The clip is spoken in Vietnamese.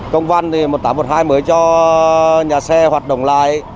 công văn thì một nghìn tám trăm một mươi hai mới cho nhà xe hoạt động lại